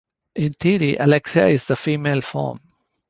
In theory, Alexia is the female form.